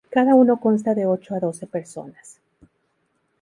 Cada uno consta de ocho a doce personas.